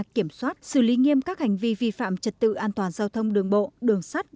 kiểm soát xử lý nghiêm các hành vi vi phạm trật tự an toàn giao thông đường bộ đường sắt